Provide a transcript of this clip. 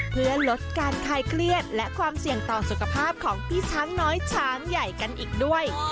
เพื่อลดการคลายเครียดและความเสี่ยงต่อสุขภาพของพี่ช้างน้อยช้างใหญ่กันอีกด้วย